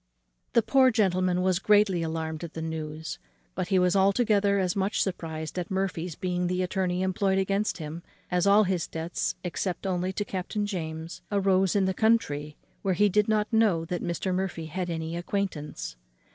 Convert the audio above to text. The poor gentleman was greatly alarmed at the news; but he was altogether as much surprized at Murphy's being the attorney employed against him, as all his debts, except only to Captain James, arose in the country, where he did not know that Mr. Murphy had any acquaintance.